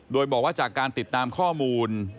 โดยบอกว่าจากการติดตามข้อมูล